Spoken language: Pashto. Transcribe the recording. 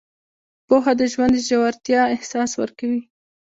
پوهه د ژوند د ژورتیا احساس ورکوي.